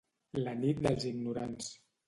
La nit dels ignorants.